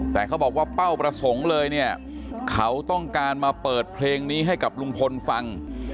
แต่เขาบอกว่าเป้าประสงค์เลยเนี่ยเขาต้องการมาเปิดเพลงนี้ให้กับลุงพลฟัง